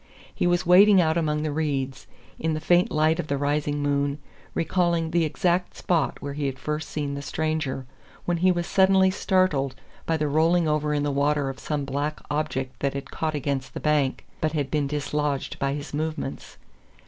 He was wading out among the reeds, in the faint light of the rising moon, recalling the exact spot where he had first seen the stranger, when he was suddenly startled by the rolling over in the water of some black object that had caught against the bank, but had been dislodged by his movements.